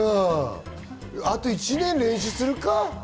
あと１年練習するか？